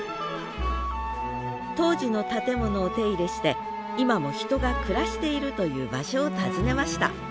当時の建物を手入れして今も人が暮らしているという場所を訪ねました